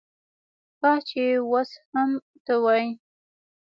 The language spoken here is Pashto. کاش چې وس هم ته وای